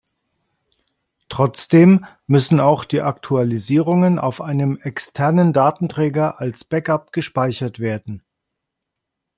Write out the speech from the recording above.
Trotzdem müssen auch die Aktualisierungen auf einem externen Datenträger als Backup gespeichert werden.